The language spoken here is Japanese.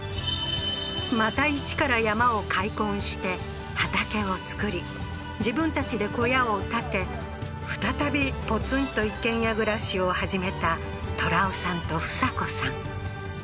また一から山を開墾して畑を作り自分たちで小屋を建て再びポツンと一軒家暮らしを始めた寅夫さんとフサコさん